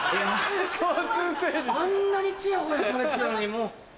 あんなにちやほやされてたのにもう。